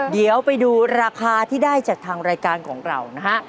เดี๋ยวไปดูราคาที่ได้จากทางรายการของเรานะฮะ